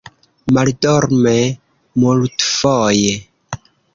Maldorme, multfoje.